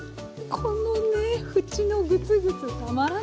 このね縁のグツグツたまらないですね。